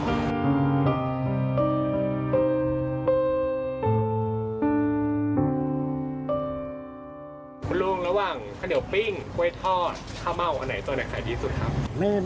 อันไหนตัวในใครดีสุดครับ